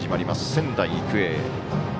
仙台育英。